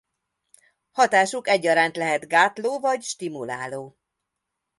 Hatásuk egyaránt lehet gátló vagy stimuláló.